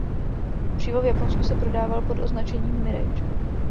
Přímo v Japonsku se prodával pod označením Mirage.